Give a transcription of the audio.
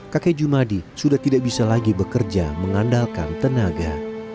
kakek jumadi sudah tidak bisa lagi bekerja mengandalkan tenaga